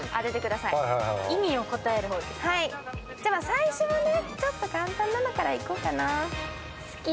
最初は、ちょっと簡単なのからいこうかなぁ。